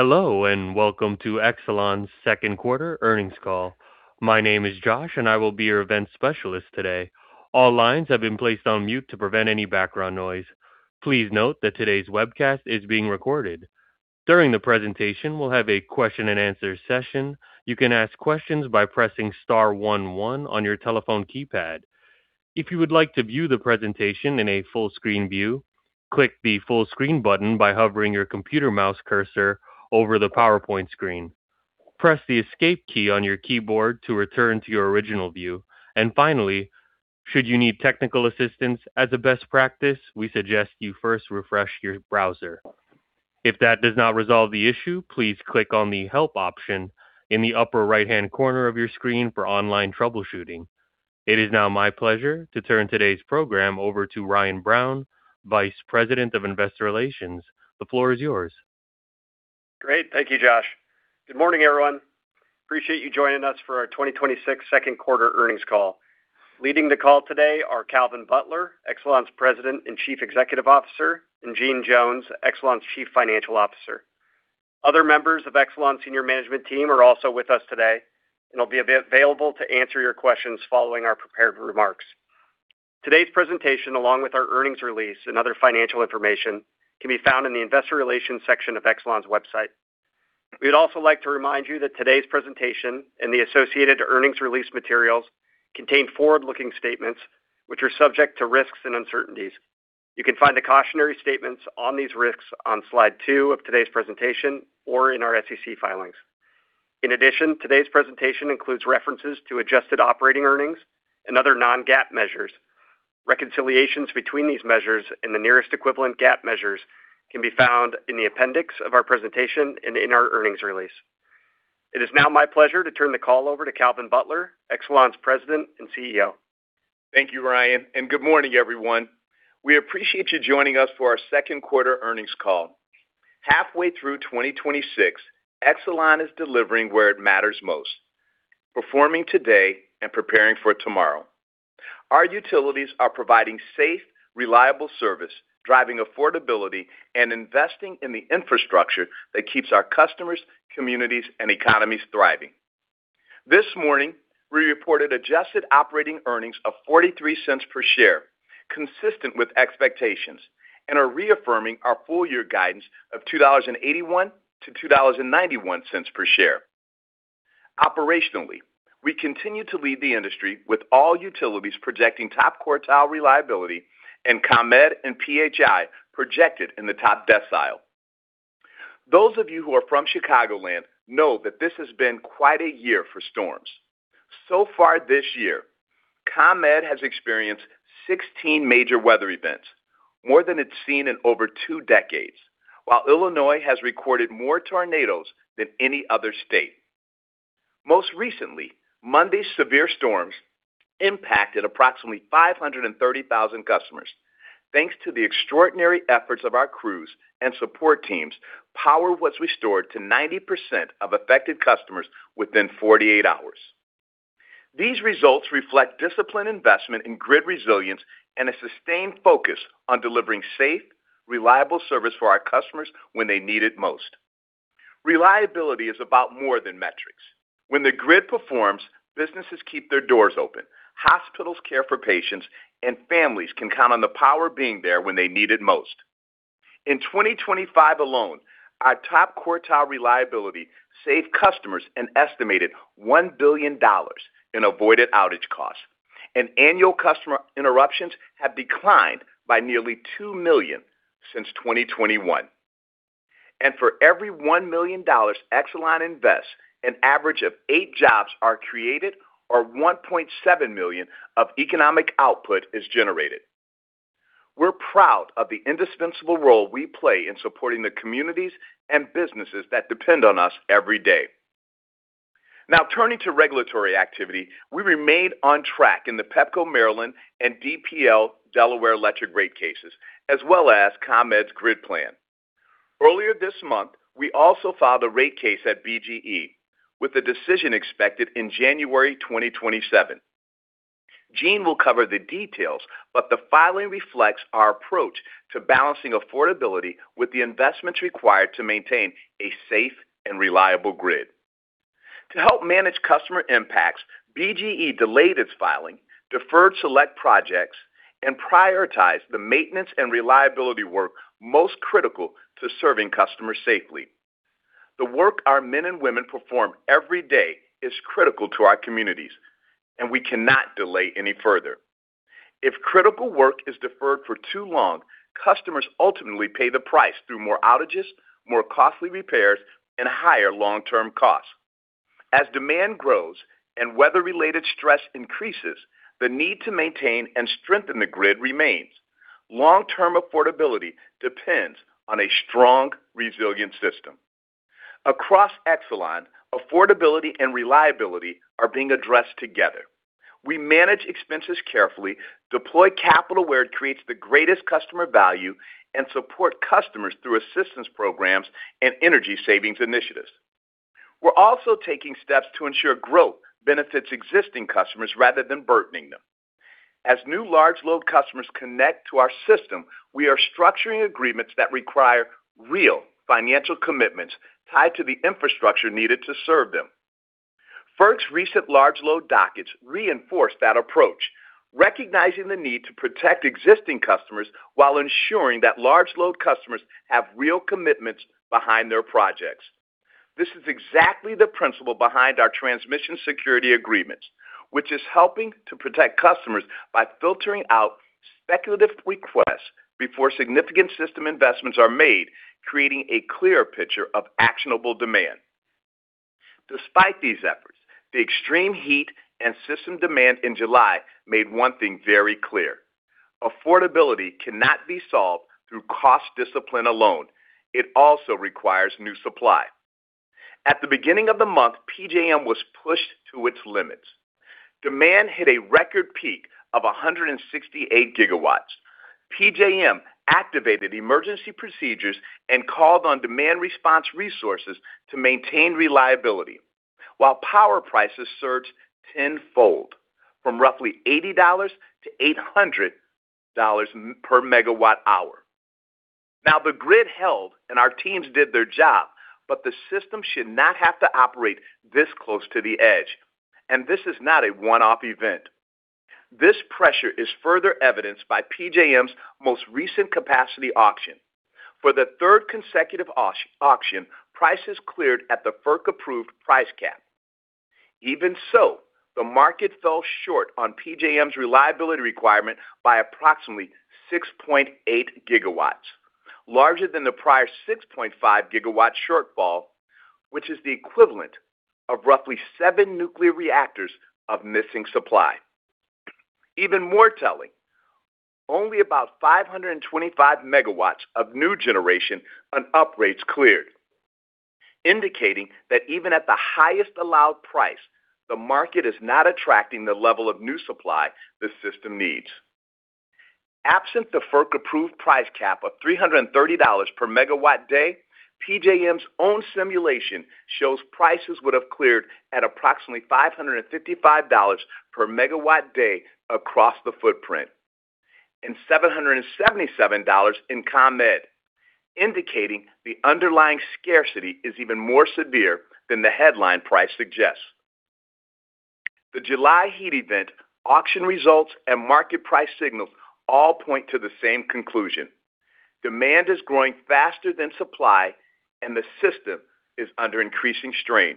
Hello, welcome to Exelon's second quarter earnings call. My name is Josh, and I will be your event specialist today. All lines have been placed on mute to prevent any background noise. Please note that today's webcast is being recorded. During the presentation, we'll have a question and answer session. You can ask questions by pressing star one, one on your telephone keypad. If you would like to view the presentation in a full-screen view, click the full-screen button by hovering your computer mouse cursor over the PowerPoint screen. Press the escape key on your keyboard to return to your original view. Finally, should you need technical assistance, as a best practice, we suggest you first refresh your browser. If that does not resolve the issue, please click on the help option in the upper right-hand corner of your screen for online troubleshooting. It is now my pleasure to turn today's program over to Ryan Brown, Vice President of Investor Relations. The floor is yours. Great. Thank you, Josh. Good morning, everyone. Appreciate you joining us for our 2026 second quarter earnings call. Leading the call today are Calvin Butler, Exelon's President and Chief Executive Officer, and Jeanne Jones, Exelon's Chief Financial Officer. Other members of Exelon's senior management team are also with us today and will be available to answer your questions following our prepared remarks. Today's presentation, along with our earnings release and other financial information, can be found in the investor relations section of Exelon's website. We'd also like to remind you that today's presentation and the associated earnings release materials contain forward-looking statements, which are subject to risks and uncertainties. You can find the cautionary statements on these risks on slide two of today's presentation or in our SEC filings. In addition, today's presentation includes references to adjusted operating earnings and other Non-GAAP measures. Reconciliations between these measures and the nearest equivalent GAAP measures can be found in the appendix of our presentation and in our earnings release. It is now my pleasure to turn the call over to Calvin Butler, Exelon's President and Chief Executive Officer. Thank you, Ryan, and good morning, everyone. We appreciate you joining us for our second quarter earnings call. Halfway through 2026, Exelon is delivering where it matters most, performing today and preparing for tomorrow. Our utilities are providing safe, reliable service, driving affordability, and investing in the infrastructure that keeps our customers, communities, and economies thriving. This morning, we reported adjusted operating earnings of $0.43 per share, consistent with expectations, and are reaffirming our full-year guidance of $2.81-$2.91 per share. Operationally, we continue to lead the industry with all utilities projecting top quartile reliability and ComEd and PHI projected in the top decile. Those of you who are from Chicagoland know that this has been quite a year for storms. Far this year, ComEd has experienced 16 major weather events, more than it's seen in over two decades, while Illinois has recorded more tornadoes than any other state. Most recently, Monday's severe storms impacted approximately 530,000 customers. Thanks to the extraordinary efforts of our crews and support teams, power was restored to 90% of affected customers within 48 hours. These results reflect disciplined investment in grid resilience and a sustained focus on delivering safe, reliable service for our customers when they need it most. Reliability is about more than metrics. When the grid performs, businesses keep their doors open, hospitals care for patients, and families can count on the power being there when they need it most. In 2025 alone, our top quartile reliability saved customers an estimated $1 billion in avoided outage costs, annual customer interruptions have declined by nearly two million since 2021. For every $1 million Exelon invests, an average of eight jobs are created or $1.7 million of economic output is generated. We're proud of the indispensable role we play in supporting the communities and businesses that depend on us every day. Now, turning to regulatory activity, we remain on track in the Pepco Maryland and DPL Delaware Electric rate cases, as well as ComEd's grid plan. Earlier this month, we also filed a rate case at BGE, with the decision expected in January 2027. Jeanne will cover the details, the filing reflects our approach to balancing affordability with the investments required to maintain a safe and reliable grid. To help manage customer impacts, BGE delayed its filing, deferred select projects, and prioritized the maintenance and reliability work most critical to serving customers safely. The work our men and women perform every day is critical to our communities, we cannot delay any further. If critical work is deferred for too long, customers ultimately pay the price through more outages, more costly repairs, and higher long-term costs. As demand grows and weather-related stress increases, the need to maintain and strengthen the grid remains. Long-term affordability depends on a strong, resilient system. Across Exelon, affordability and reliability are being addressed together. We manage expenses carefully, deploy capital where it creates the greatest customer value, and support customers through assistance programs and energy savings initiatives. We're also taking steps to ensure growth benefits existing customers rather than burdening them. As new large load customers connect to our system, we are structuring agreements that require real financial commitments tied to the infrastructure needed to serve them. FERC's recent large load dockets reinforce that approach, recognizing the need to protect existing customers while ensuring that large load customers have real commitments behind their projects. This is exactly the principle behind our Transmission Security Agreements, which is helping to protect customers by filtering out speculative requests before significant system investments are made, creating a clearer picture of actionable demand. Despite these efforts, the extreme heat and system demand in July made one thing very clear: affordability cannot be solved through cost discipline alone. It also requires new supply. At the beginning of the month, PJM was pushed to its limits. Demand hit a record peak of 168 GW. PJM activated emergency procedures and called on demand response resources to maintain reliability, while power prices surged tenfold from roughly $80 MWh-$800 MWh. The grid held, and our teams did their job, but the system should not have to operate this close to the edge, and this is not a one-off event. This pressure is further evidenced by PJM's most recent capacity auction. For the third consecutive auction, prices cleared at the FERC-approved price cap. The market fell short on PJM's reliability requirement by approximately 6.8 GW, larger than the prior 6.5-GW shortfall, which is the equivalent of roughly seven nuclear reactors of missing supply. Only about 525 MW of new generation on uprates cleared, indicating that even at the highest allowed price, the market is not attracting the level of new supply the system needs. Absent the FERC-approved price cap of $330 MW-day, PJM's own simulation shows prices would have cleared at approximately $555 MW-day across the footprint and $777 in ComEd, indicating the underlying scarcity is even more severe than the headline price suggests. The July heat event, auction results, and market price signals all point to the same conclusion: demand is growing faster than supply, and the system is under increasing strain.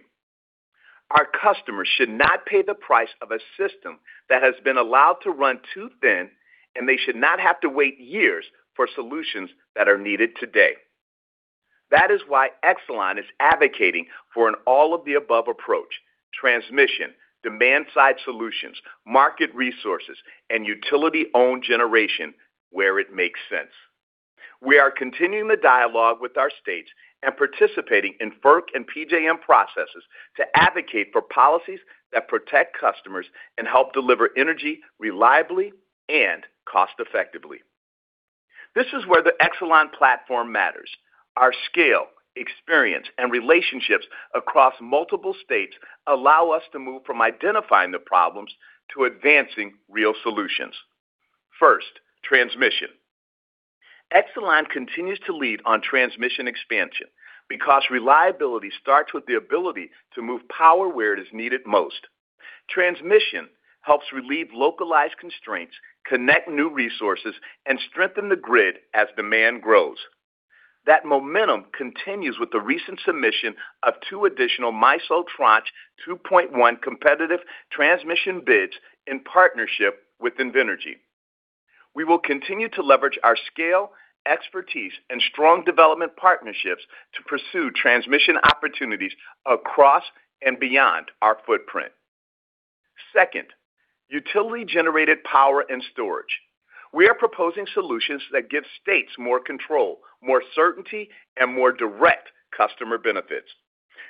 Our customers should not pay the price of a system that has been allowed to run too thin, and they should not have to wait years for solutions that are needed today. That is why Exelon is advocating for an all-of-the-above approach: transmission, demand-side solutions, market resources, and utility-owned generation where it makes sense. We are continuing the dialogue with our states and participating in FERC and PJM processes to advocate for policies that protect customers and help deliver energy reliably and cost-effectively. This is where the Exelon platform matters. Our scale, experience, and relationships across multiple states allow us to move from identifying the problems to advancing real solutions. First, transmission. Exelon continues to lead on transmission expansion because reliability starts with the ability to move power where it is needed most. Transmission helps relieve localized constraints, connect new resources, and strengthen the grid as demand grows. That momentum continues with the recent submission of two additional MISO Tranche 2.1 competitive transmission bids in partnership with Invenergy. Second, utility-generated power and storage. We are proposing solutions that give states more control, more certainty, and more direct customer benefits.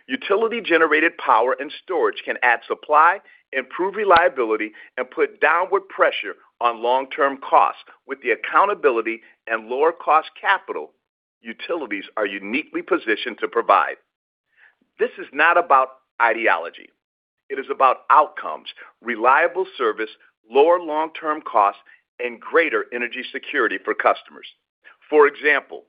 Utility-generated power and storage can add supply, improve reliability, and put downward pressure on long-term costs with the accountability and lower-cost capital utilities are uniquely positioned to provide. This is not about ideology. It is about outcomes, reliable service, lower long-term costs, and greater energy security for customers. For example,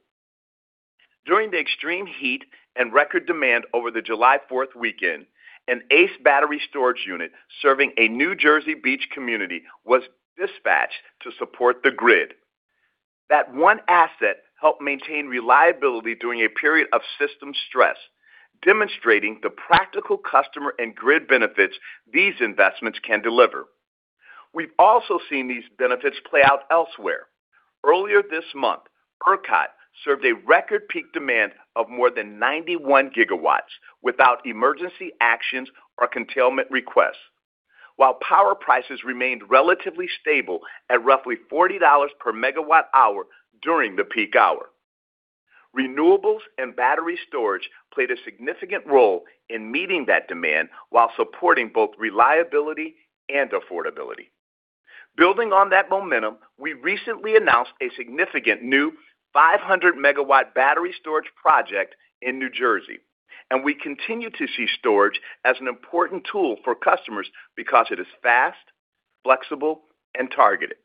during the extreme heat and record demand over the July 4th weekend, an ACE battery storage unit serving a New Jersey beach community was dispatched to support the grid. That one asset helped maintain reliability during a period of system stress, demonstrating the practical customer and grid benefits these investments can deliver. We've also seen these benefits play out elsewhere. Earlier this month, ERCOT served a record peak demand of more than 91 GW without emergency actions or curtailment requests, while power prices remained relatively stable at roughly $40 MWh during the peak hour. Renewables and battery storage played a significant role in meeting that demand while supporting both reliability and affordability. Building on that momentum, we recently announced a significant new 500-MW battery storage project in New Jersey, and we continue to see storage as an important tool for customers because it is fast, flexible, and targeted.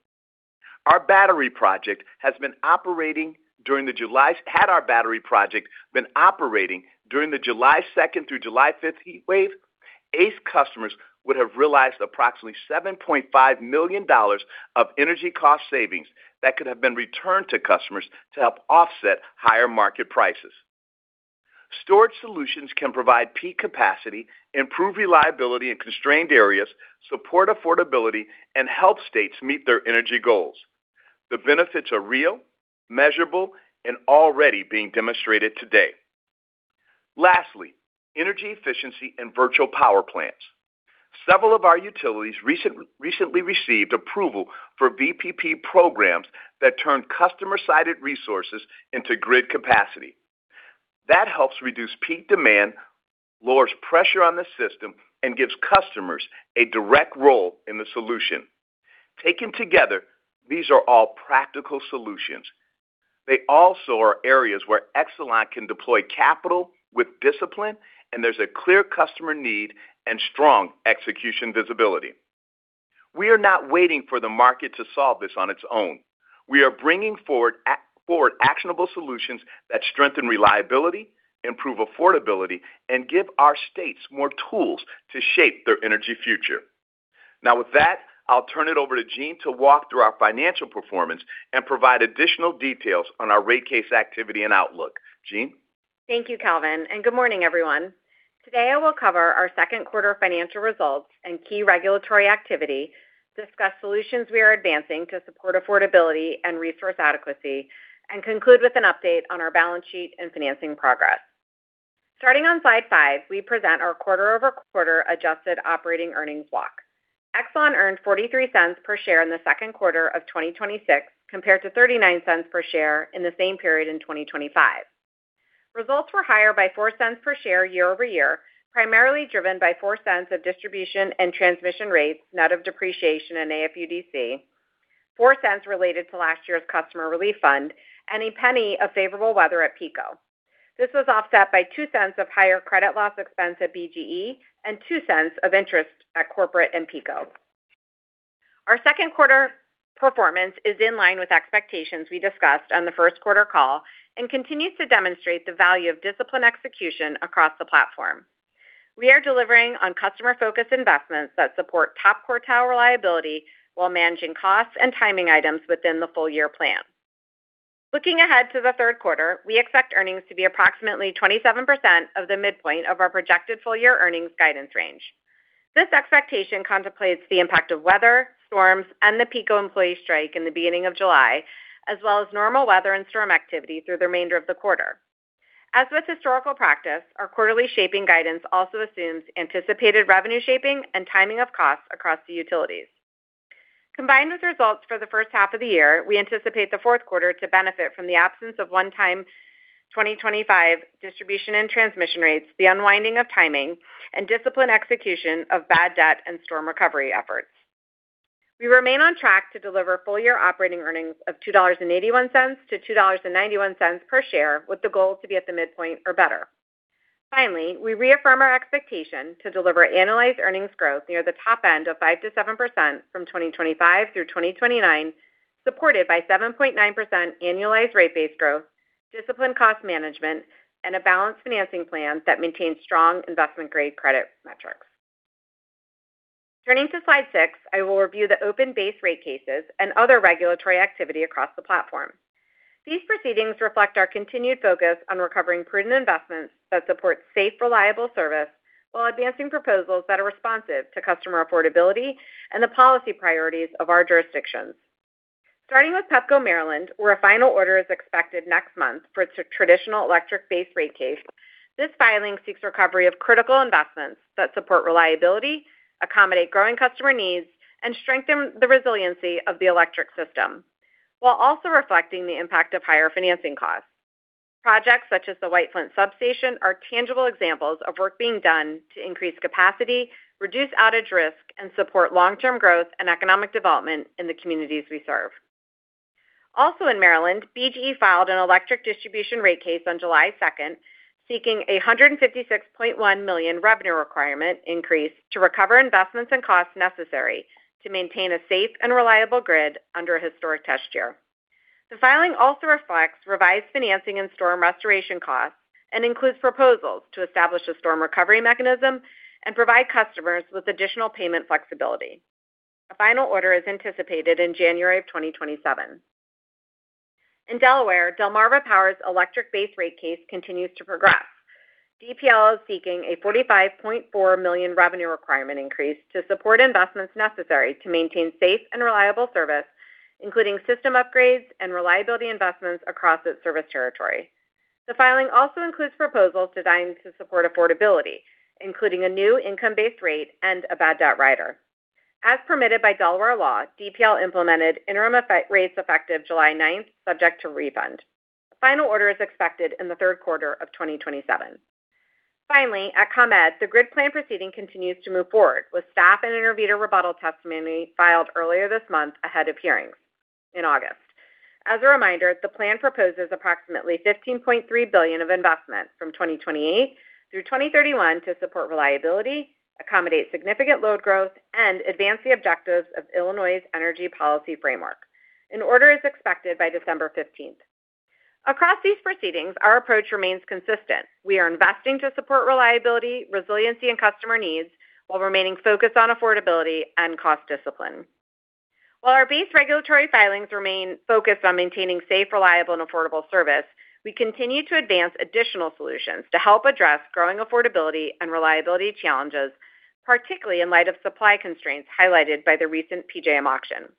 Had our battery project been operating during the July 2nd through July 5th heat wave, ACE customers would have realized approximately $7.5 million of energy cost savings that could have been returned to customers to help offset higher market prices. Storage solutions can provide peak capacity, improve reliability in constrained areas, support affordability, and help states meet their energy goals. The benefits are real, measurable, and already being demonstrated today. Lastly, energy efficiency and virtual power plants. Several of our utilities recently received approval for VPP programs that turn customer-sided resources into grid capacity. That helps reduce peak demand, lowers pressure on the system, and gives customers a direct role in the solution. Taken together, these are all practical solutions. They also are areas where Exelon can deploy capital with discipline, and there's a clear customer need and strong execution visibility. We are not waiting for the market to solve this on its own. We are bringing forward actionable solutions that strengthen reliability, improve affordability, and give our states more tools to shape their energy future. With that, I'll turn it over to Jeanne to walk through our financial performance and provide additional details on our rate case activity and outlook. Jeanne? Thank you, Calvin, and good morning, everyone. Today I will cover our second quarter financial results and key regulatory activity, discuss solutions we are advancing to support affordability and resource adequacy, and conclude with an update on our balance sheet and financing progress. Starting on slide five, we present our quarter-over-quarter adjusted operating earnings walk. Exelon earned $0.43 per share in the second quarter of 2026 compared to $0.39 per share in the same period in 2025. Results were higher by $0.04 per share year-over-year, primarily driven by $0.04 of distribution and transmission rates, net of depreciation and AFUDC, $0.04 related to last year's Customer Relief Fund, and $0.01 of favorable weather at PECO. This was offset by $0.02 of higher credit loss expense at BGE and $0.02 of interest at Corporate and PECO. Our second quarter performance is in line with expectations we discussed on the first quarter call and continues to demonstrate the value of disciplined execution across the platform. We are delivering on customer-focused investments that support top quartile reliability while managing costs and timing items within the full-year plan. Looking ahead to the third quarter, we expect earnings to be approximately 27% of the midpoint of our projected full-year earnings guidance range. This expectation contemplates the impact of weather, storms, and the PECO employee strike in the beginning of July, as well as normal weather and storm activity through the remainder of the quarter. As with historical practice, our quarterly shaping guidance also assumes anticipated revenue shaping and timing of costs across the utilities. Combined with results for the first half of the year, we anticipate the fourth quarter to benefit from the absence of one-time 2025 distribution and transmission rates, the unwinding of timing, and disciplined execution of bad debt and storm recovery efforts. We remain on track to deliver full-year operating earnings of $2.81-$2.91 per share, with the goal to be at the midpoint or better. Finally, we reaffirm our expectation to deliver annualized earnings growth near the top end of 5%-7% from 2025 through 2029, supported by 7.9% annualized rate base growth, disciplined cost management, and a balanced financing plan that maintains strong investment-grade credit metrics. Turning to slide six, I will review the open base rate cases and other regulatory activity across the platform. These proceedings reflect our continued focus on recovering prudent investments that support safe, reliable service while advancing proposals that are responsive to customer affordability and the policy priorities of our jurisdictions. Starting with Pepco, Maryland, where a final order is expected next month for its traditional electric base rate case. This filing seeks recovery of critical investments that support reliability, accommodate growing customer needs, and strengthen the resiliency of the electric system while also reflecting the impact of higher financing costs. Projects such as the White Flint Substation are tangible examples of work being done to increase capacity, reduce outage risk, and support long-term growth and economic development in the communities we serve. Also in Maryland, BGE filed an electric distribution rate case on July 2nd, seeking a $156.1 million revenue requirement increase to recover investments and costs necessary to maintain a safe and reliable grid under a historic test year. The filing also reflects revised financing and storm restoration costs and includes proposals to establish a storm recovery mechanism and provide customers with additional payment flexibility. A final order is anticipated in January of 2027. In Delaware, Delmarva Power's electric base rate case continues to progress. DPL is seeking a $45.4 million revenue requirement increase to support investments necessary to maintain safe and reliable service, including system upgrades and reliability investments across its service territory. The filing also includes proposals designed to support affordability, including a new income-based rate and a bad debt rider. As permitted by Delaware law, DPL implemented interim effect rates effective July 9th, subject to refund. Final order is expected in the third quarter of 2027. At ComEd, the grid plan proceeding continues to move forward with staff and intervenor rebuttal testimony filed earlier this month ahead of hearings in August. As a reminder, the plan proposes approximately $15.3 billion of investment from 2028 through 2031 to support reliability, accommodate significant load growth, and advance the objectives of Illinois's energy policy framework. An order is expected by December 15th. Across these proceedings, our approach remains consistent. We are investing to support reliability, resiliency, and customer needs while remaining focused on affordability and cost discipline. While our base regulatory filings remain focused on maintaining safe, reliable, and affordable service, we continue to advance additional solutions to help address growing affordability and reliability challenges, particularly in light of supply constraints highlighted by the recent PJM auction.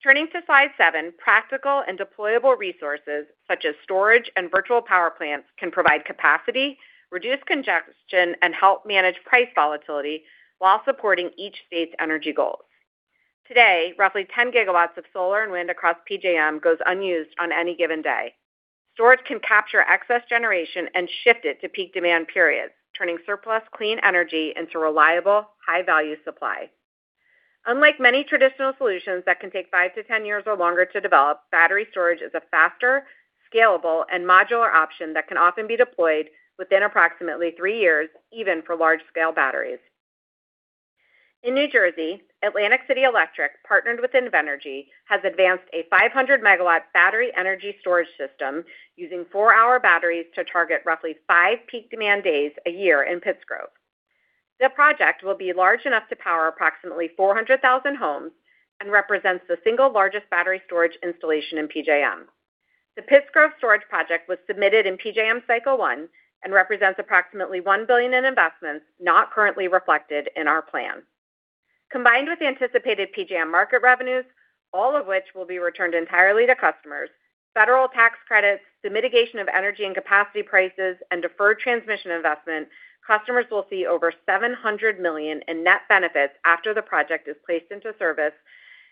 Turning to slide seven, practical and deployable resources such as storage and virtual power plants can provide capacity, reduce congestion, and help manage price volatility while supporting each state's energy goals. Today, roughly 10 GW of solar and wind across PJM goes unused on any given day. Storage can capture excess generation and shift it to peak demand periods, turning surplus clean energy into reliable, high-value supply. Unlike many traditional solutions that can take 5-10 years or longer to develop, battery storage is a faster, scalable, and modular option that can often be deployed within approximately three years, even for large-scale batteries. In New Jersey, Atlantic City Electric, partnered with Invenergy, has advanced a 500-MW battery energy storage system using four-hour batteries to target roughly five peak demand days a year in Pittsgrove. The project will be large enough to power approximately 400,000 homes and represents the single largest battery storage installation in PJM. The Pittsgrove storage project was submitted in PJM Cycle 1 and represents approximately $1 billion in investments not currently reflected in our plan. Combined with anticipated PJM market revenues, all of which will be returned entirely to customers, federal tax credits, the mitigation of energy and capacity prices, and deferred transmission investment, customers will see over $700 million in net benefits after the project is placed into service.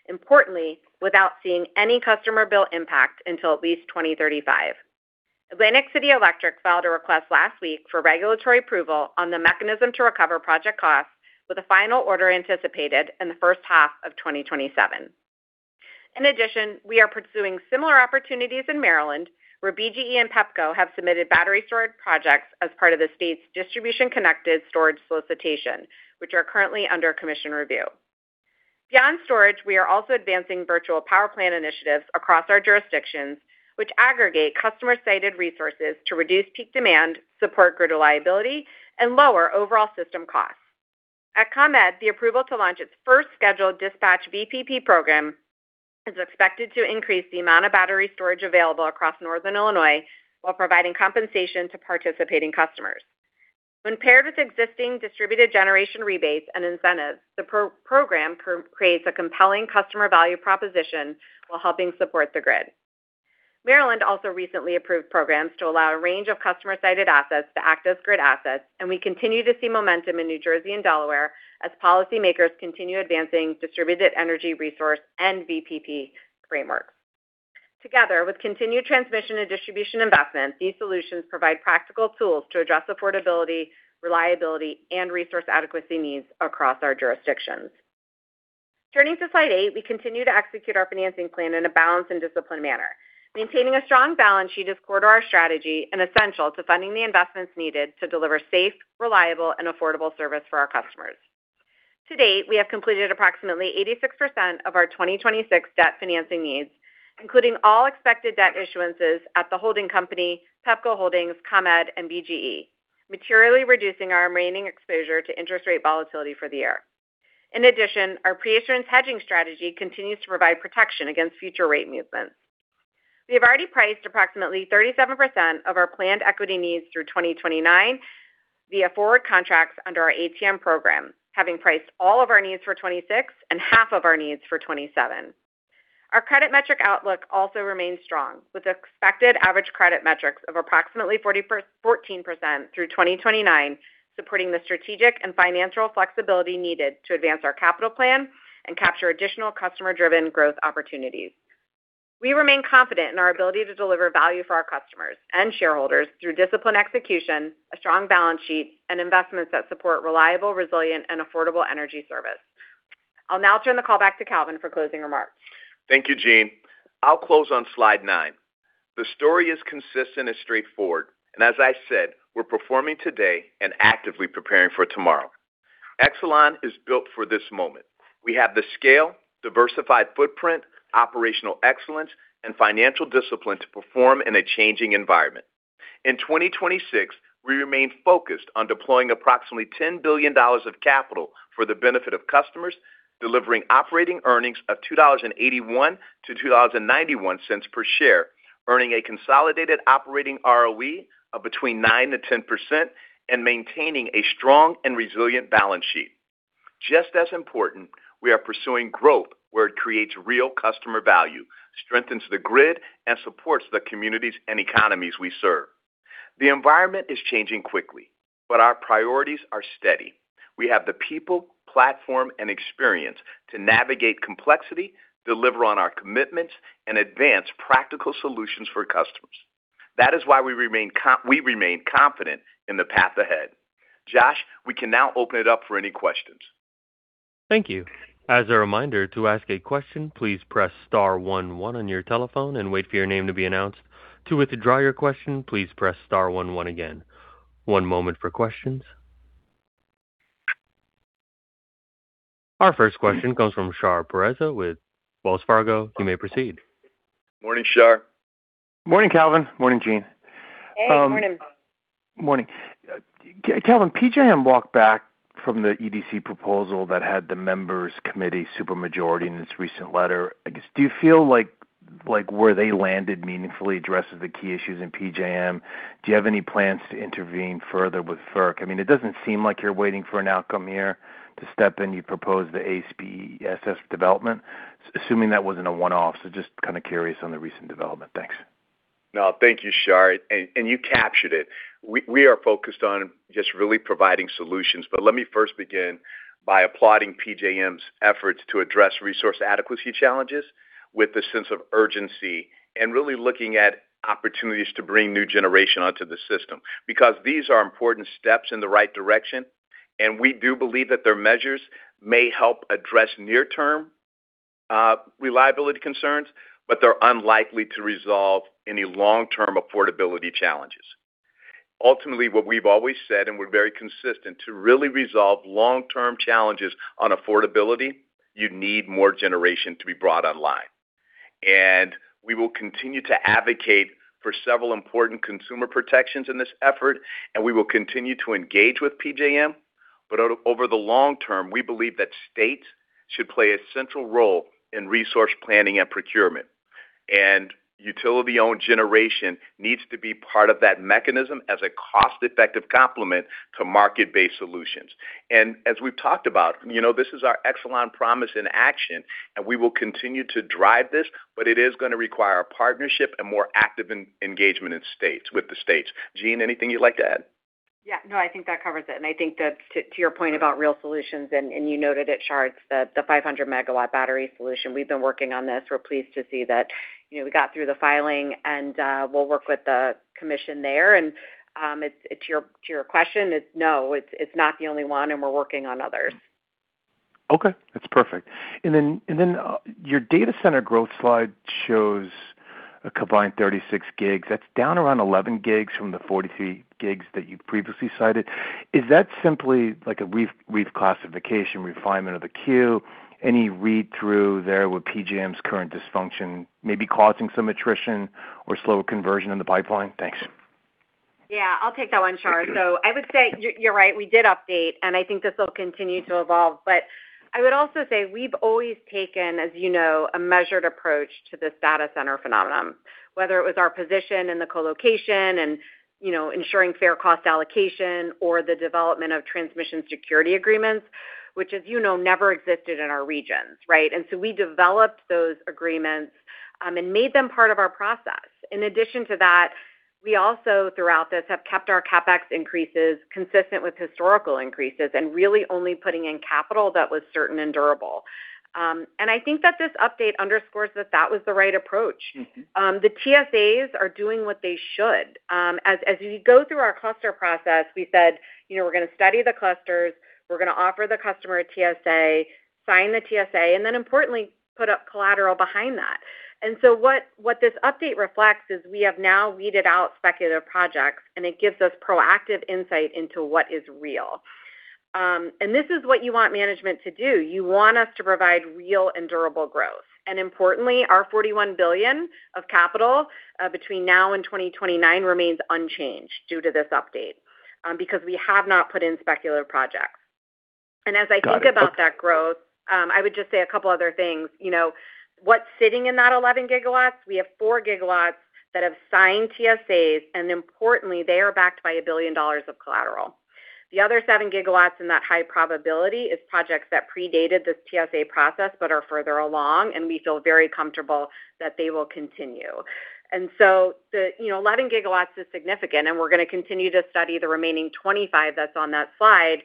Importantly, without seeing any customer bill impact until at least 2035. Atlantic City Electric filed a request last week for regulatory approval on the mechanism to recover project costs with a final order anticipated in the first half of 2027. In addition, we are pursuing similar opportunities in Maryland, where BGE and Pepco have submitted battery storage projects as part of the state's distribution-connected storage solicitation, which are currently under commission review. Beyond storage, we are also advancing virtual power plant initiatives across our jurisdictions, which aggregate customer-sited resources to reduce peak demand, support grid reliability, and lower overall system costs. At ComEd, the approval to launch its first scheduled dispatch VPP program is expected to increase the amount of battery storage available across Northern Illinois while providing compensation to participating customers. When paired with existing distributed generation rebates and incentives, the program creates a compelling customer value proposition while helping support the grid. Maryland also recently approved programs to allow a range of customer-sited assets to act as grid assets. We continue to see momentum in New Jersey and Delaware as policymakers continue advancing distributed energy resource and VPP frameworks. Together, with continued transmission and distribution investments, these solutions provide practical tools to address affordability, reliability, and resource adequacy needs across our jurisdictions. Turning to slide eight, we continue to execute our financing plan in a balanced and disciplined manner. Maintaining a strong balance sheet is core to our strategy and essential to funding the investments needed to deliver safe, reliable, and affordable service for our customers. To date, we have completed approximately 86% of our 2026 debt financing needs, including all expected debt issuances at the holding company, Pepco Holdings, ComEd, and BGE, materially reducing our remaining exposure to interest rate volatility for the year. In addition, our pre-assurance hedging strategy continues to provide protection against future rate movements. We have already priced approximately 37% of our planned equity needs through 2029 via forward contracts under our ATM program, having priced all of our needs for 2026 and half of our needs for 2027. Our credit metric outlook also remains strong, with expected average credit metrics of approximately 14% through 2029, supporting the strategic and financial flexibility needed to advance our capital plan and capture additional customer-driven growth opportunities. We remain confident in our ability to deliver value for our customers and shareholders through disciplined execution, a strong balance sheet, and investments that support reliable, resilient, and affordable energy service. I will now turn the call back to Calvin for closing remarks. Thank you, Jeanne. I will close on slide nine. The story is consistent and straightforward. As I said, we are performing today and actively preparing for tomorrow. Exelon is built for this moment. We have the scale, diversified footprint, operational excellence, and financial discipline to perform in a changing environment. In 2026, we remain focused on deploying approximately $10 billion of capital for the benefit of customers, delivering operating earnings of $2.81-$2.91 per share, earning a consolidated operating ROE of between 9%-10%, and maintaining a strong and resilient balance sheet. Just as important, we are pursuing growth where it creates real customer value, strengthens the grid, and supports the communities and economies we serve. The environment is changing quickly, but our priorities are steady. We have the people, platform, and experience to navigate complexity, deliver on our commitments, and advance practical solutions for customers. That is why we remain confident in the path ahead. Josh, we can now open it up for any questions. Thank you. As a reminder, to ask a question, please press star one one on your telephone and wait for your name to be announced. To withdraw your question, please press star one one again. One moment for questions. Our first question comes from Shar Pourreza with Wells Fargo. You may proceed. Morning, Shar. Morning, Calvin. Morning, Jeanne. Hey, morning. Morning. Calvin, PJM walked back from the EDC proposal that had the members committee super majority in its recent letter. I guess, do you feel like where they landed meaningfully addresses the key issues in PJM? Do you have any plans to intervene further with FERC? It doesn't seem like you're waiting for an outcome here to step in. You proposed the ACSS development, assuming that wasn't a one-off. Just kind of curious on the recent development. Thanks. No, thank you, Shar. You captured it. We are focused on just really providing solutions. Let me first begin by applauding PJM's efforts to address resource adequacy challenges with the sense of urgency and really looking at opportunities to bring new generation onto the system, because these are important steps in the right direction, and we do believe that their measures may help address near-term reliability concerns, but they're unlikely to resolve any long-term affordability challenges. Ultimately, what we've always said, and we're very consistent, to really resolve long-term challenges on affordability, you need more generation to be brought online. We will continue to advocate for several important consumer protections in this effort, and we will continue to engage with PJM. Over the long term, we believe that states should play a central role in resource planning and procurement. Utility-owned generation needs to be part of that mechanism as a cost-effective complement to market-based solutions. As we've talked about, this is our Exelon Promise in action, and we will continue to drive this, but it is going to require a partnership and more active engagement with the states. Jeanne, anything you'd like to add? Yeah. No, I think that covers it. I think that to your point about real solutions, and you noted it, Shar, it's the 500-MW battery solution. We've been working on this. We're pleased to see that we got through the filing and we'll work with the commission there. To your question, no, it's not the only one, and we're working on others. Okay. That's perfect. Your data center growth slide shows a combined 36 GW. That's down around 11 GW from the 43 GW that you previously cited. Is that simply like a reclassification refinement of the queue? Any read-through there with PJM's current dysfunction, maybe causing some attrition or slow conversion in the pipeline? Thanks. Yeah, I'll take that one, Shar. I would say you're right, we did update, and I think this will continue to evolve. I would also say we've always taken, as you know, a measured approach to this data center phenomenon, whether it was our position in the co-location and ensuring fair cost allocation or the development of Transmission Security Agreements, which as you know, never existed in our regions, right? We developed those agreements and made them part of our process. In addition to that, we also, throughout this, have kept our CapEx increases consistent with historical increases and really only putting in capital that was certain and durable. I think this update underscores that that was the right approach. The TSAs are doing what they should. As we go through our cluster process, we said we're going to study the clusters, we're going to offer the customer a TSA, sign the TSA, and then importantly, put up collateral behind that. What this update reflects is we have now weeded out speculative projects, and it gives us proactive insight into what is real. This is what you want management to do. You want us to provide real and durable growth. Importantly, our $41 billion of capital between now and 2029 remains unchanged due to this update because we have not put in speculative projects. As I think about that growth, I would just say a couple other things. What's sitting in that 11 GW, we have 4 GW that have signed TSAs, and importantly, they are backed by $1 billion of collateral. The other 7 GW in that high probability is projects that predated this TSA process but are further along, and we feel very comfortable that they will continue. The 11 GW is significant, and we're going to continue to study the remaining 25 GW that's on that slide.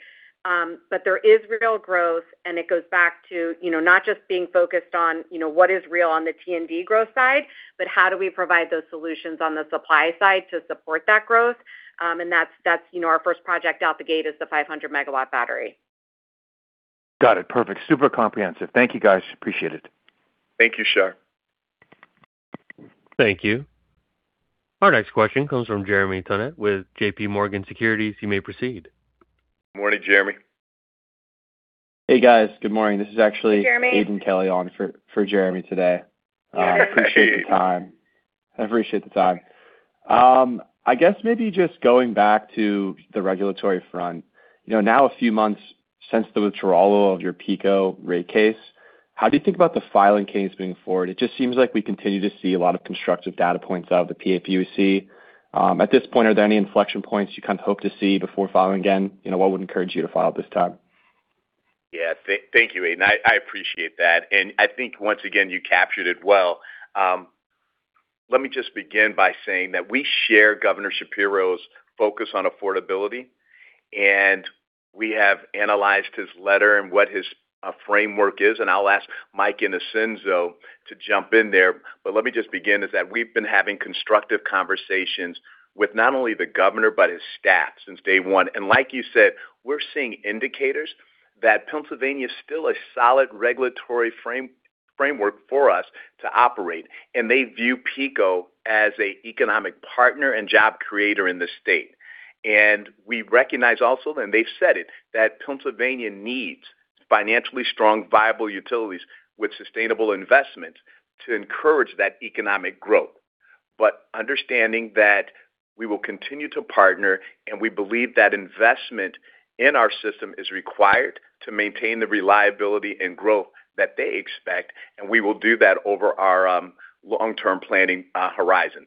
There is real growth, and it goes back to not just being focused on what is real on the T&D growth side, but how do we provide those solutions on the supply side to support that growth? That's our first project out the gate is the 500-MW battery. Got it. Perfect. Super comprehensive. Thank you, guys. Appreciate it. Thank you, Shar. Thank you. Our next question comes from Jeremy Tonet with JPMorgan. You may proceed. Morning, Jeremy. Hey, guys. Good morning. Jeremy Aidan Kelly on for Jeremy today. Yeah. Hey. I appreciate the time. I guess maybe just going back to the regulatory front. Now a few months since the withdrawal of your PECO rate case, how do you think about the filing case moving forward? It just seems like we continue to see a lot of constructive data points out of the PA PUC. At this point, are there any inflection points you kind of hope to see before filing again? What would encourage you to file at this time? Thank you, Aidan. I think once again, you captured it well. Let me just begin by saying that we share Governor Shapiro's focus on affordability, and we have analyzed his letter and what his framework is, and I'll ask Mike Innocenzo to jump in there. But let me just begin, is that we've been having constructive conversations with not only the governor but his staff since day one. Like you said, we're seeing indicators that Pennsylvania is still a solid regulatory framework for us to operate, and they view PECO as an economic partner and job creator in the state. We recognize also, and they've said it, that Pennsylvania needs financially strong, viable utilities with sustainable investment to encourage that economic growth. Understanding that we will continue to partner, and we believe that investment in our system is required to maintain the reliability and growth that they expect, and we will do that over our long-term planning horizons.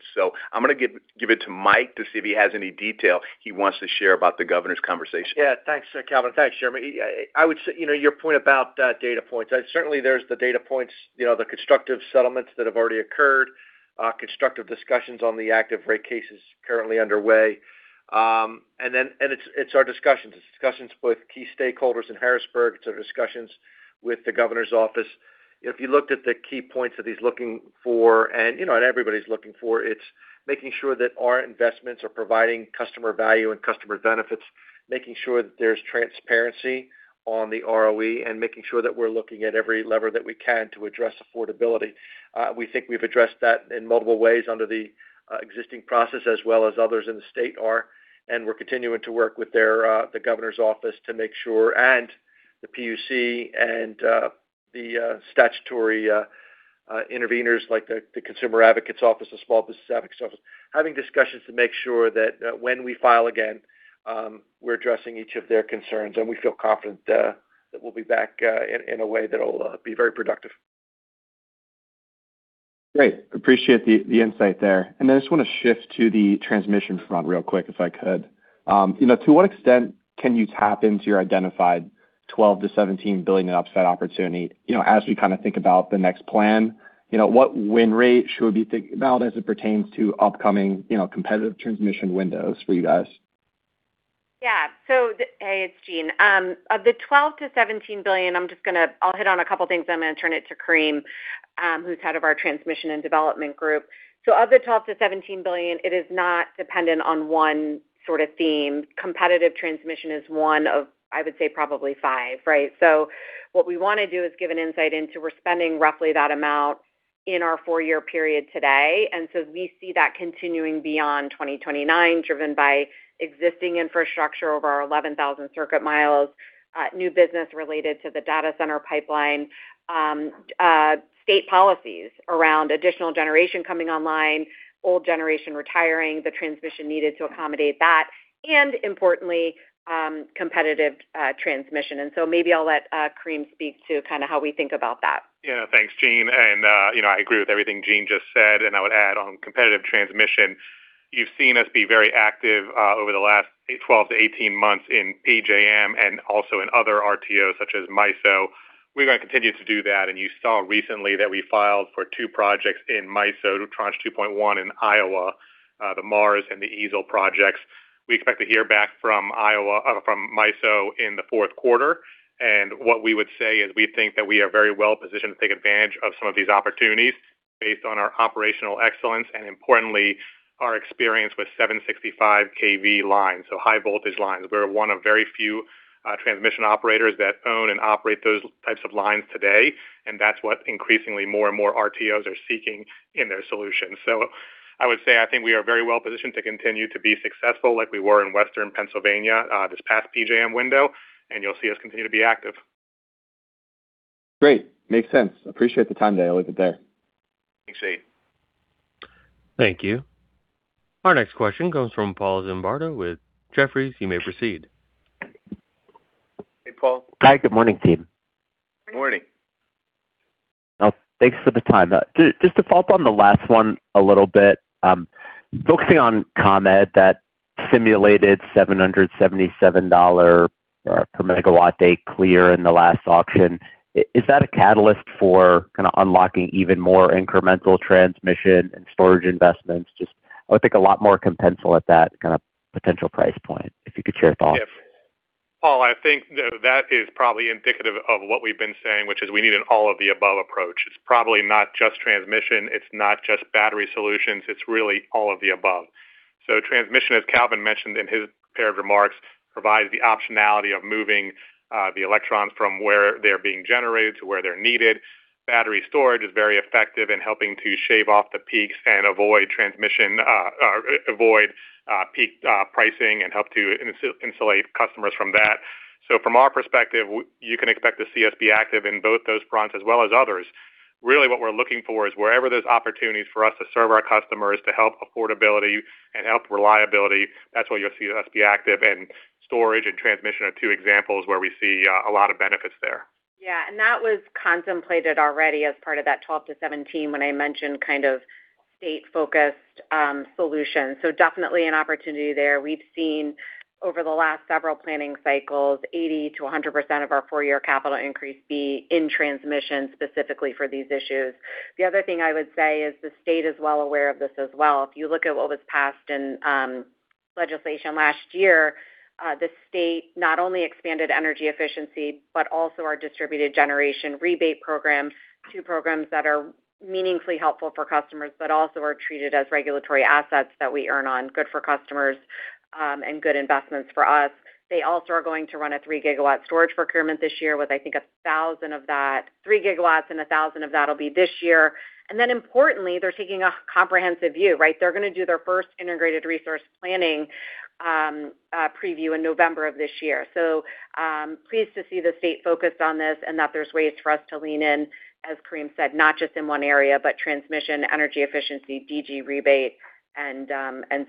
I'm going to give it to Mike to see if he has any detail he wants to share about the governor's conversation. Thanks, Calvin. Thanks, Jeremy. Your point about data points. Certainly, there's the data points, the constructive settlements that have already occurred, constructive discussions on the active rate cases currently underway. It's our discussions. It's discussions with key stakeholders in Harrisburg. It's our discussions with the governor's office. If you looked at the key points that he's looking for, everybody's looking for, it's making sure that our investments are providing customer value and customer benefits, making sure that there's transparency on the ROE, and making sure that we're looking at every lever that we can to address affordability. We think we've addressed that in multiple ways under the existing process as well as others in the state are, and we're continuing to work with the governor's office to make sure, the PUC and the statutory interveners like the Office of Consumer Advocate, the Office of Small Business Advocate, having discussions to make sure that when we file again, we're addressing each of their concerns, and we feel confident that we'll be back in a way that'll be very productive. Great. Appreciate the insight there. I just want to shift to the transmission front real quick, if I could. To what extent can you tap into your identified $12 billion-$17 billion in offset opportunity? As we think about the next plan, what win rate should we be thinking about as it pertains to upcoming competitive transmission windows for you guys? Yeah. Hey, it's Jeanne. Of the $12 billion-$17 billion, I'll hit on a couple of things, then I'm going to turn it to Carim, who's head of our transmission and development group. Of the $12 billion-$17 billion, it is not dependent on one sort of theme. Competitive transmission is one of, I would say, probably five, right? What we want to do is give an insight into we're spending roughly that amount in our four-year period today. We see that continuing beyond 2029, driven by existing infrastructure over our 11,000 circuit mi, new business related to the data center pipeline, state policies around additional generation coming online, old generation retiring, the transmission needed to accommodate that, and importantly, competitive transmission. Maybe I'll let Carim speak to kind of how we think about that. Yeah. Thanks, Jeanne. I agree with everything Jeanne just said, and I would add on competitive transmission, you've seen us be very active over the last 12-18 months in PJM and also in other RTOs such as MISO. We're going to continue to do that. You saw recently that we filed for two projects in MISO, two Tranche 2.1 in Iowa, the Mars and the Easel projects. We expect to hear back from MISO in the fourth quarter. What we would say is we think that we are very well positioned to take advantage of some of these opportunities based on our operational excellence, and importantly, our experience with 765 kV lines, so high-voltage lines. We're one of very few transmission operators that own and operate those types of lines today, and that's what increasingly more and more RTOs are seeking in their solutions. I would say I think we are very well positioned to continue to be successful like we were in Western Pennsylvania this past PJM window, you'll see us continue to be active. Great. Makes sense. Appreciate the time there. I'll leave it there. Thank you. Our next question comes from Paul Zimbardo with Jefferies. You may proceed. Hey, Paul. Hi. Good morning, team. Morning. Thanks for the time. Just to follow up on the last one a little bit, focusing on ComEd that simulated $777 MW-day clear in the last auction, is that a catalyst for kind of unlocking even more incremental transmission and storage investments? I would think a lot more can pencil at that kind of potential price point, if you could share thoughts. Yeah. Paul, I think that is probably indicative of what we've been saying, which is we need an all-of-the-above approach. It's probably not just transmission, it's not just battery solutions, it's really all of the above. Transmission, as Calvin mentioned in his prepared remarks, provides the optionality of moving the electrons from where they're being generated to where they're needed. Battery storage is very effective in helping to shave off the peaks and avoid peak pricing and help to insulate customers from that. From our perspective, you can expect to see us be active in both those fronts as well as others. Really, what we're looking for is wherever there's opportunities for us to serve our customers to help affordability and help reliability, that's where you'll see us be active, and storage and transmission are two examples where we see a lot of benefits there. Yeah. That was contemplated already as part of that $12 billion-$17 billion when I mentioned kind of state-focused solutions. Definitely an opportunity there. We've seen over the last several planning cycles, 80%-100% of our four-year capital increase be in transmission specifically for these issues. The other thing I would say is the state is well aware of this as well. If you look at what was passed in legislation last year. The state not only expanded energy efficiency, but also our distributed generation rebate programs to programs that are meaningfully helpful for customers, but also are treated as regulatory assets that we earn on. Good for customers and good investments for us. They also are going to run a 3 GW storage procurement this year with, I think, 1,000 of that, 3 GW, and 1,000 of that'll be this year. Importantly, they're taking a comprehensive view, right? They're going to do their first Integrated Resource Planning preview in November of this year. Pleased to see the state focused on this and that there's ways for us to lean in, as Carim said, not just in one area, but transmission, energy efficiency, DG rebate, and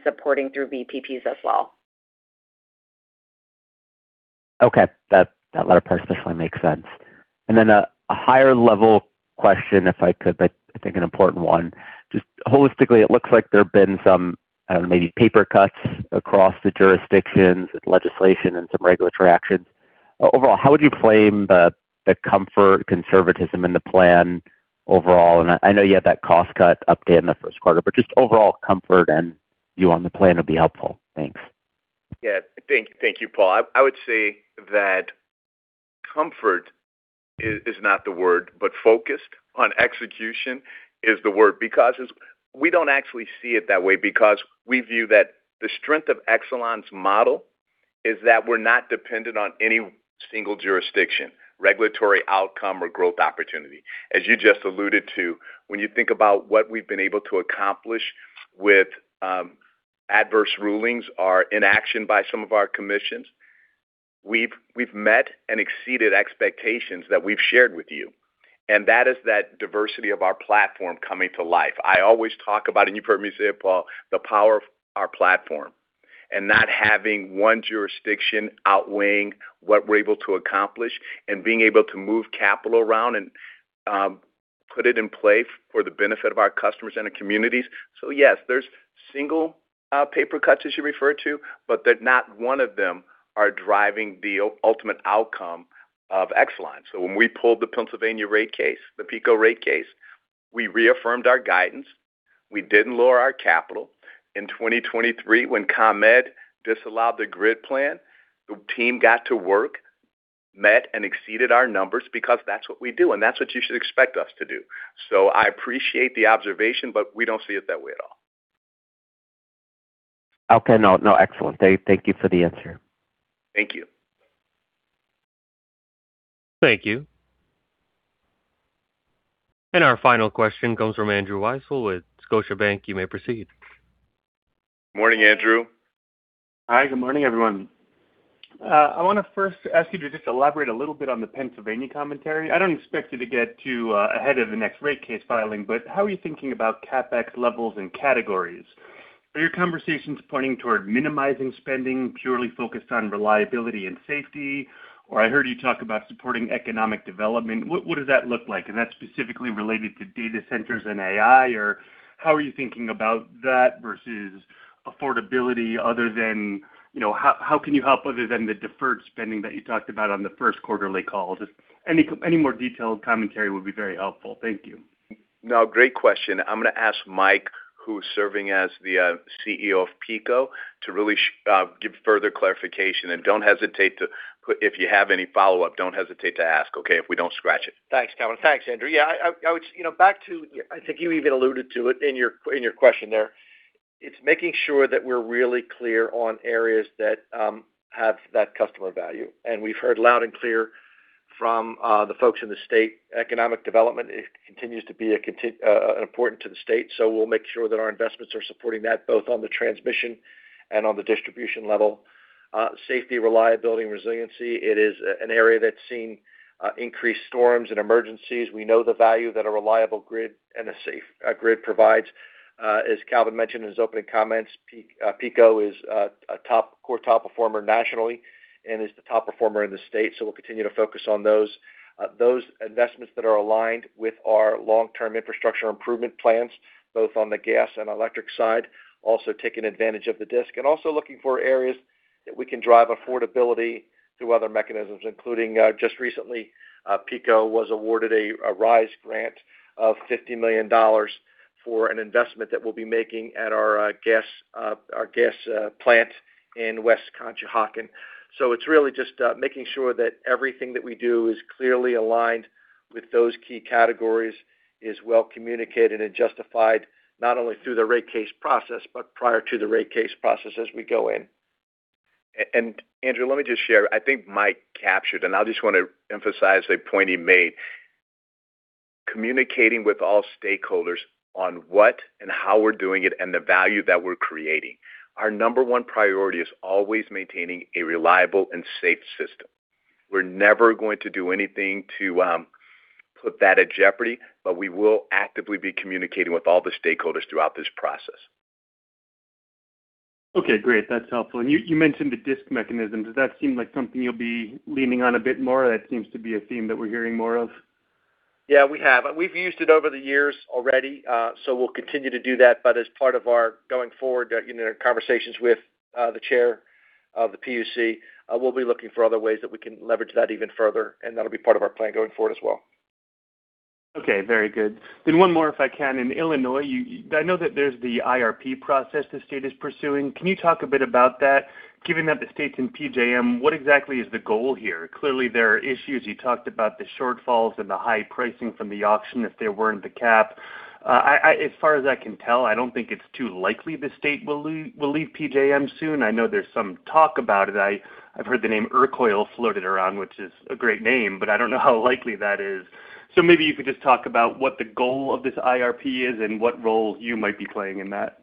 supporting through VPPs as well. Okay. That latter part definitely makes sense. A higher-level question, if I could, I think an important one. Just holistically, it looks like there have been some, maybe paper cuts across the jurisdictions with legislation and some regulatory actions. Overall, how would you claim the comfort, conservatism in the plan overall? I know you had that cost cut update in the first quarter, but just overall comfort and view on the plan would be helpful. Thanks. Yeah. Thank you, Paul. I would say that comfort is not the word, focused on execution is the word, because we don't actually see it that way because we view that the strength of Exelon's model is that we're not dependent on any single jurisdiction, regulatory outcome, or growth opportunity. As you just alluded to, when you think about what we've been able to accomplish with adverse rulings or inaction by some of our commissions, we've met and exceeded expectations that we've shared with you, and that is that diversity of our platform coming to life. I always talk about, and you've heard me say it, Paul, the power of our platform and not having one jurisdiction outweighing what we're able to accomplish and being able to move capital around and put it in play for the benefit of our customers and the communities. Yes, there's single paper cuts as you refer to, that not one of them are driving the ultimate outcome of Exelon. When we pulled the Pennsylvania rate case, the PECO rate case, we reaffirmed our guidance. We didn't lower our capital. In 2023, when ComEd disallowed the grid plan, the team got to work, met and exceeded our numbers because that's what we do, and that's what you should expect us to do. I appreciate the observation, we don't see it that way at all. Okay. No, excellent. Thank you for the answer. Thank you. Thank you. Our final question comes from Andrew Weisel with Scotiabank. You may proceed. Morning, Andrew. Hi. Good morning, everyone. I want to first ask you to just elaborate a little bit on the Pennsylvania commentary. I don't expect you to get too ahead of the next rate case filing, but how are you thinking about CapEx levels and categories? Are your conversations pointing toward minimizing spending purely focused on reliability and safety? Or I heard you talk about supporting economic development. What does that look like? And that's specifically related to data centers and AI, or how are you thinking about that versus affordability other than, how can you help other than the deferred spending that you talked about on the first quarterly call? Just any more detailed commentary would be very helpful. Thank you. Great question. I'm going to ask Michael, who is serving as the Chief Executive Officer of PECO, to really give further clarification. Don't hesitate to, if you have any follow-up, don't hesitate to ask, okay? If we don't scratch it. Thanks, Calvin. Thanks, Andrew. Back to, I think you even alluded to it in your question there. It's making sure that we're really clear on areas that have that customer value. We've heard loud and clear from the folks in the state, economic development continues to be important to the state. We'll make sure that our investments are supporting that, both on the transmission and on the distribution level. Safety, reliability, and resiliency, it is an area that's seen increased storms and emergencies. We know the value that a reliable grid and a safe grid provides. As Calvin mentioned in his opening comments, PECO is a core top performer nationally and is the top performer in the state. We'll continue to focus on those investments that are aligned with our long-term infrastructure improvement plans, both on the gas and electric side. Taking advantage of the DISC and also looking for areas that we can drive affordability through other mechanisms, including, just recently, PECO was awarded a RISE grant of $50 million for an investment that we'll be making at our gas plant in West Conshohocken. It's really just making sure that everything that we do is clearly aligned with those key categories, is well communicated and justified, not only through the rate case process, but prior to the rate case process as we go in. Andrew, let me just share, I think Mike captured, I just want to emphasize a point he made. Communicating with all stakeholders on what and how we're doing it and the value that we're creating. Our number one priority is always maintaining a reliable and safe system. We're never going to do anything to put that at jeopardy, but we will actively be communicating with all the stakeholders throughout this process. Okay, great. That's helpful. You mentioned the DISC mechanism. Does that seem like something you'll be leaning on a bit more? That seems to be a theme that we're hearing more of. Yeah, we have. We've used it over the years already, we'll continue to do that. As part of our going forward, conversations with the chair of the PUC, we'll be looking for other ways that we can leverage that even further, that'll be part of our plan going forward as well. Okay, very good. One more if I can. In Illinois, I know that there's the IRP process the state is pursuing. Can you talk a bit about that? Given that the state's in PJM, what exactly is the goal here? Clearly, there are issues. You talked about the shortfalls and the high pricing from the auction if there weren't the cap. As far as I can tell, I don't think it's too likely the state will leave PJM soon. I know there's some talk about it. I've heard the name IRCOIL floated around, which is a great name, but I don't know how likely that is. Maybe you could just talk about what the goal of this IRP is and what role you might be playing in that.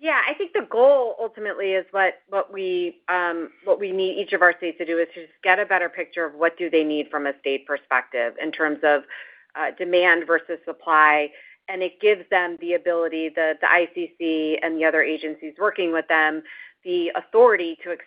Yeah. I think the goal ultimately is what we need each of our states to do is to just get a better picture of what do they need from a state perspective in terms of demand versus supply. It gives them the ability, the ICC and the other agencies working with them, the authority to expand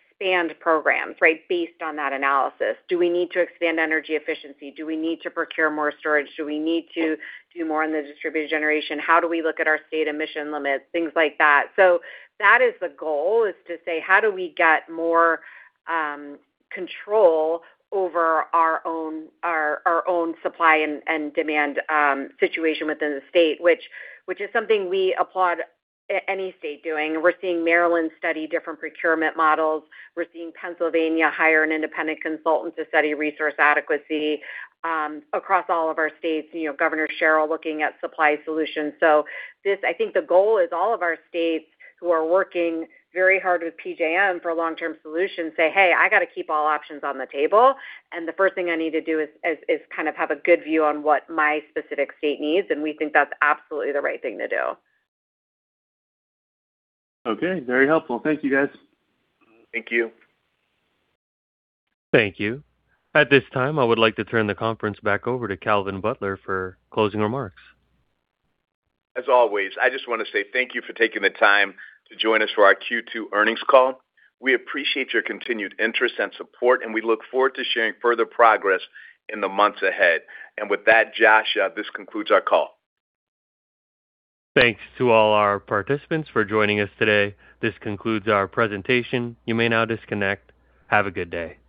programs based on that analysis. Do we need to expand energy efficiency? Do we need to procure more storage? Do we need to do more on the distributed generation? How do we look at our state emission limits? Things like that. That is the goal, is to say, how do we get more control over our own supply and demand situation within the state? Which is something we applaud any state doing. We're seeing Maryland study different procurement models. We're seeing Pennsylvania hire an independent consultant to study resource adequacy across all of our states. Governor Sherrill looking at supply solutions. I think the goal is all of our states who are working very hard with PJM for a long-term solution say, "Hey, I got to keep all options on the table, and the first thing I need to do is have a good view on what my specific state needs." We think that's absolutely the right thing to do. Okay. Very helpful. Thank you, guys. Thank you. Thank you. At this time, I would like to turn the conference back over to Calvin Butler for closing remarks. As always, I just want to say thank you for taking the time to join us for our Q2 earnings call. We appreciate your continued interest and support. We look forward to sharing further progress in the months ahead. With that, Josh, this concludes our call. Thanks to all our participants for joining us today. This concludes our presentation. You may now disconnect. Have a good day.